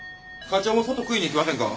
課長も外食いに行きませんか？